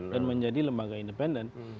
dan menjadi lembaga independen